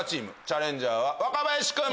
チャレンジャーは若林君。